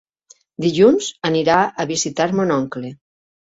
Dilluns anirà a visitar mon oncle.